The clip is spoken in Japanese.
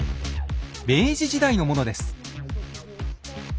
明治時代のものです。